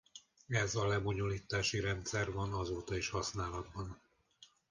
Ez a lebonyolítási rendszer van azóta is használatban.